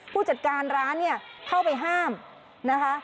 ผู้จัดการร้านเนี่ยเข้าไปห้ามนะคะ